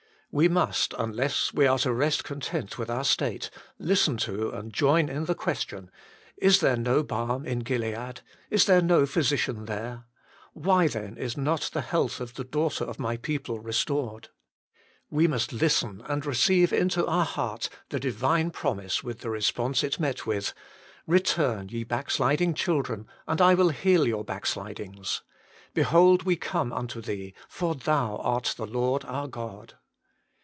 We must, unless we are to rest content with our state, listen to and join in the question, " Is there no balm in Gilead ; is there no physician there ? why then is not the health of the daughter of my people re stored ?" We must listen, and receive into our heart, the Divine promise with the response it met with :" Eeturn, ye backsliding children, and I will heal your backslidings. Behold, we come unto Thee, for Thou art the Lord our God."